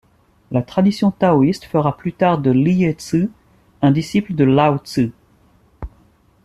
La tradition taoïste fera plus tard de Lie Zi un disciple de Lao Zi.